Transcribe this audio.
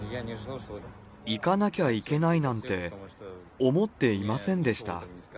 行かなきゃいけないなんて思っていませんでした。